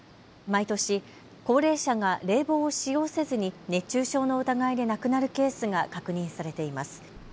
毎年、高齢者が冷房を使用せずに熱中症の疑いで亡くなるケースが確認されています。